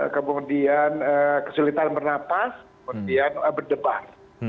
kemudian kesulitan bernapas kemudian berdebar